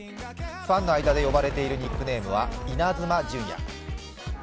ファンの間で呼ばれているニックネームはイナズマ純也。